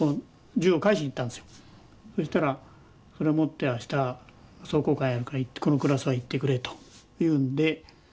そしたらそれ持って明日壮行会あるからこのクラスは行ってくれと言うんで。